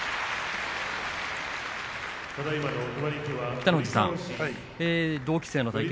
北の富士さん、同期生の対決